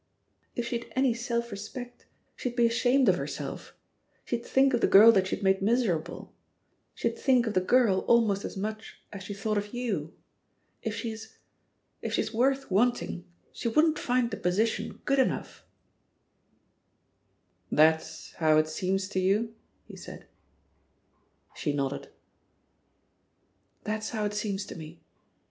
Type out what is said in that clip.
"If she'd any self respect, she'd be ashamed of herself; she'd think of the girl that she had made miserable ; she'd think of the girl almost as much as she thought of you. If she's — if she's worth wanting, she wouldn't find the position good enough !" SS4 THE POSITION OF PEGGY HARPER '^That'^ how it seems to you?'* he said* She nodded. '^That's how it seems to me.